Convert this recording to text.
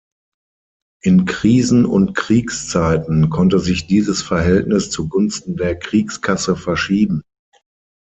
In Krisen- und Kriegszeiten konnte sich dieses Verhältnis zugunsten der Kriegskasse verschieben.